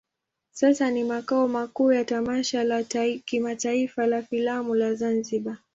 Sasa ni makao makuu ya tamasha la kimataifa la filamu la Zanzibar.